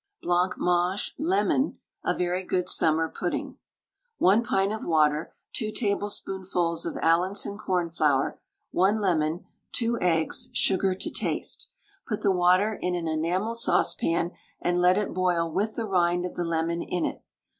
BLANCMANGE (LEMON) (a very good Summer Pudding). 1 pint of water, 2 tablespoonfuls of Allinson cornflour, 1 lemon, 2 eggs, sugar to taste. Put the water in an enamel saucepan, and let it boil with the rind of the lemon in it.